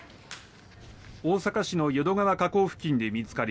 大阪市の淀川河口付近で見つかり